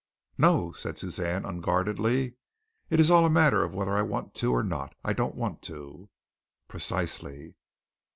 "No," said Suzanne unguardedly. "It is all a matter of whether I want to or not. I don't want to." "Precisely.